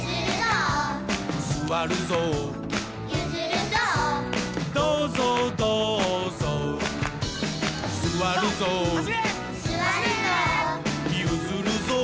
「すわるぞう」「どうぞうどうぞう」「すわるぞう」「ゆずるぞう」